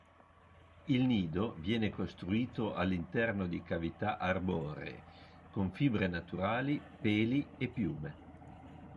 Il nido viene costruito all'interno di cavità arboree con fibre naturali, peli e piume.